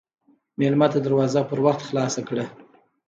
مېلمه ته دروازه پر وخت خلاصه کړه.